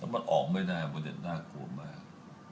แล้วมันออกไม่ได้ว่าน่ากลัวมาก